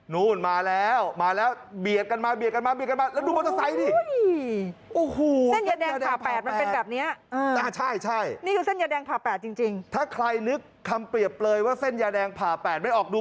นู่นมาแล้วมาแล้วเบียดกันมาเบียดกันมาเบียดกันมาแล้วดูมอเตอร์ไซค์ดิโอ้โห